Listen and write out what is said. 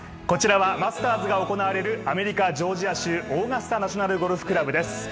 こちらはマスターズが行われるアメリカのオーガスタ・ナショナル・ゴルフクラブです。